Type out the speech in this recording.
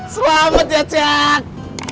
selamat ya cak